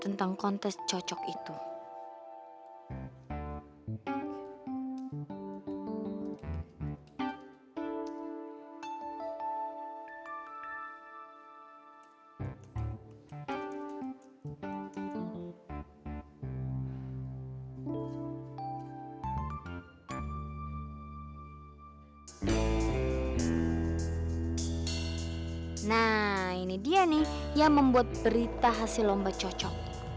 nah ini dia nih yang membuat berita hasil lomba cocok